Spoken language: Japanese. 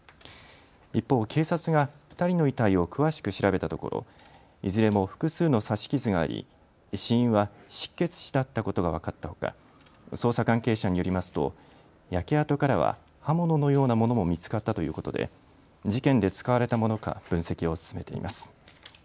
一方、警察が２人の遺体を詳しく調べたところいずれも複数の刺し傷があり、死因は失血死だったことが分かったほか捜査関係者によりますと焼け跡からは刃物のようなものも見つかったということで事件で使われたものか分析を進めています。